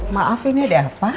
maaf ini ada apa